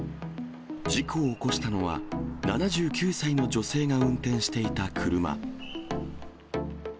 事故を起こしたのは、７９歳の女性が運転していた車。